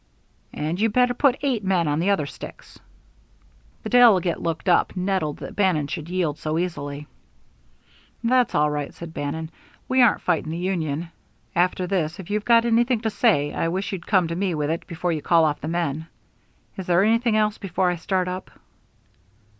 "And you'd better put eight men on the other sticks." The delegate looked up, nettled that Bannon should yield so easily. "That's all right," said Bannon. "We aren't fighting the union. After this, if you've got anything to say, I wish you'd come to me with it before you call off the men. Is there anything else before I start up?"